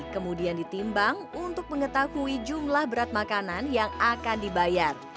kemudian ditimbang untuk mengetahui jumlah berat makanan yang akan dibayar